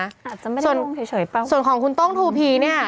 อาจจะไม่ได้ชนเฉยเปล่าส่วนของคุณต้องทูพีเนี่ย